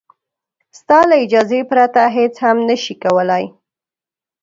ستا له اجازې پرته هېڅ هم نه شي کولای.